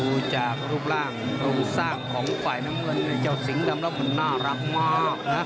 ภูจากรูปร่างโรงสร้างของฝ่ายน้ำเงินที่เจ้าสิงห์ดำแบบน้ารักมากนะค่ะ